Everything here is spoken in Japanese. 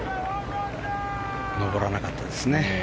上らなかったですね。